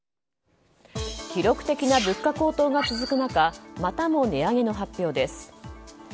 記録的な物価高騰が続く中またも値上げの発表です。